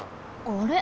あれ？